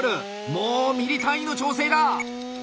もうミリ単位の調整だ！